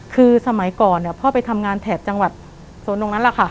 คือสมัยก่อนเนี่ยพ่อไปทำงานแถบจังหวัดโซนตรงนั้นแหละค่ะ